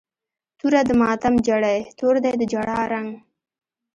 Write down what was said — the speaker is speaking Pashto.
توره د ماتم جړۍ، تور دی د جړا رنګ